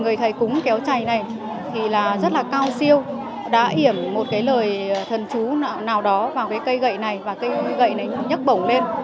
người thầy cúng kéo chày này thì là rất là cao siêu đã ỉm một cái lời thần chú nào đó vào cái cây gậy này và cây gậy này nhấc bổng lên